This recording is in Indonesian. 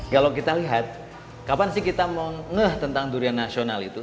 kalau kita lihat kapan sih kita mau ngeh tentang durian nasional itu